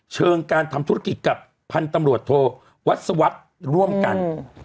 เชิงการทำธุรกิจกับพันธุ์ตำรวจโทวัศวรรษร่วมกัน